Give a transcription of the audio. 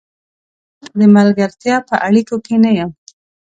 زه د ملګرتیا په اړیکو کې نه یم.